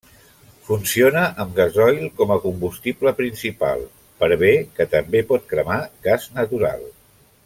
Funciona amb gasoil com a combustible principal, per bé que també pot cremar gas natural.